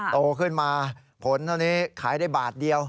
โตขึ้นมาผลเท่านี้ขายได้บาทเดียว